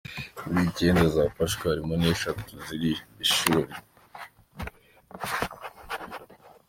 Mu icyenda zafashwe harimo eshatu z’iri shuri.